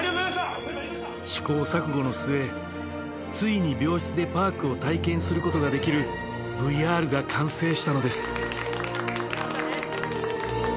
［試行錯誤の末ついに病室でパークを体験することができるＶＲが完成したのです］